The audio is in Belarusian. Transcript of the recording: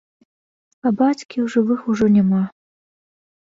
А бацькі ў жывых ужо няма.